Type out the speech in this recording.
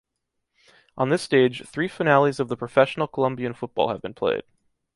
On this stage, three finales of the Professional Colombian Football have been played.